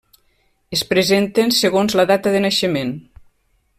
Es presenten segons la data de naixement.